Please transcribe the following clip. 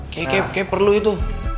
kayaknya perlu itu